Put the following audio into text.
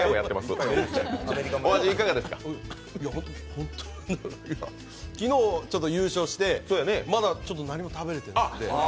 ホント昨日優勝してまだ何も食べれてないので。